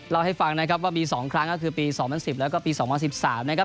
เล่าให้ฟังนะครับว่ามี๒ครั้งก็คือปี๒๐๑๐แล้วก็ปี๒๐๑๓นะครับ